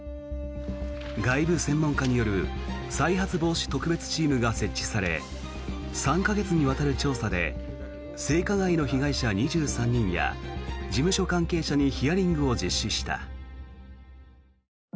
外部専門家による再発防止特別チームが設置され３か月にわたる調査で性加害の被害者２３人や事務所関係者にヒアリングを実施した。